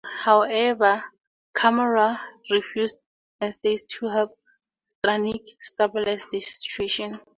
However, Kammerer refuses and stays to help Strannik stabilize the situation.